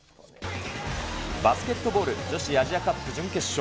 バスケットボール女子アジアカップ準決勝。